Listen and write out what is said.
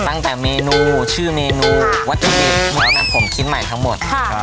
ตั้งแต่เมนูชื่อเมนูวัตถุดินเนื้อนั้นผมคิดใหม่ทั้งหมดครับ